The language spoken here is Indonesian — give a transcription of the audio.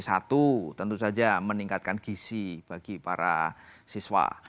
satu tentu saja meningkatkan gisi bagi para siswa